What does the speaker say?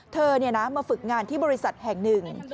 เธอมาฝึกงานที่บริษัทแห่งหนึ่ง